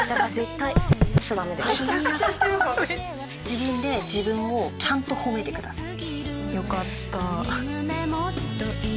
自分で自分をちゃんと褒めてください。